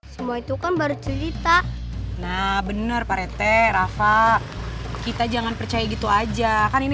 semua itu kan baru cerita nah bener pak rete rafa kita jangan percaya gitu aja kan ini